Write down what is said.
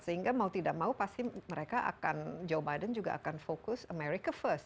sehingga mau tidak mau pasti mereka akan joe biden juga akan fokus america first